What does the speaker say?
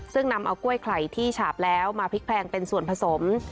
ซึ่งนำเอากล้วยไข่ที่ฉาบแล้วมาพริกแพงเป็นส่วนผสม